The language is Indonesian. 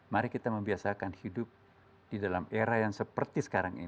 mari kita membiasakan hidup di dalam era yang seperti sekarang ini